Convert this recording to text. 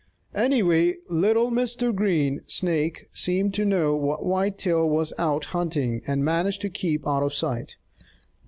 Anyway, little Mr. Green Snake seemed to know that Whitetail was out hunting and managed to keep out of sight.